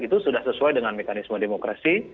itu sudah sesuai dengan mekanisme demokrasi